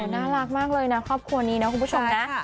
น่ารักมากเลยนะครอบครัวนี้นะคุณผู้ชมนะ